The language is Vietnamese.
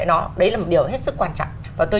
nó đấy là một điều hết sức quan trọng và tôi